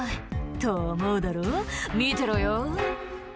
「と思うだろ見てろよ」